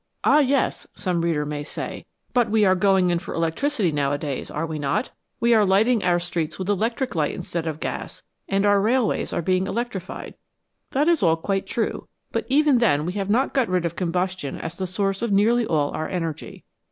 " Ah, yes !" some reader may say ;" but we are going in for electricity nowadays, are we not ? We are lighting 106 PRODUCTION OF LIGHT AND HEAT our streets with electric light instead of gas, and our railways are being electrified/' That is all quite true, but even then we have not got rid of combustion as the source of nearly all our energy.